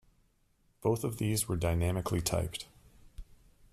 Both of these were dynamically typed.